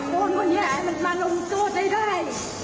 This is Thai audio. มันมาลงโจทย์ได้